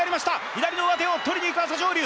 左の上手をとりにいく朝青龍